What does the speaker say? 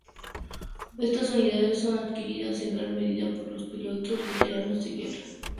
Estas unidades son adquiridas en gran medida por los pilotos veteranos de guerra.